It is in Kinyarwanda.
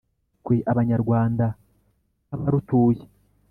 twe abanyarwanda nk’ abarutuye